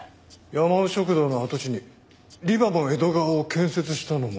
やまお食堂の跡地にリバモ江戸川を建設したのも。